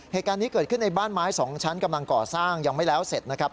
เหตุการณ์นี้เกิดขึ้นในบ้านไม้สองชั้นกำลังก่อสร้างยังไม่แล้วเสร็จนะครับ